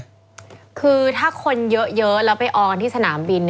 คือถ้าคนเยอะแล้วไปออกันที่สนามบิน